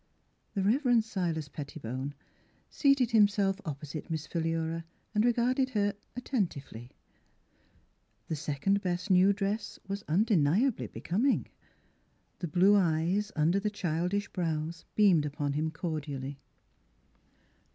The Rev. Silas Pettibone seated himself opposite Miss 63 The Transfiguration of Philura and regarded her at tentively. The second best new dress was undeniably be coming; the blue eyes under the childish brows beamed upon him cordially.